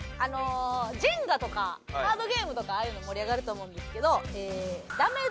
ジェンガとかカードゲームとかああいうの盛り上がると思うんですけど。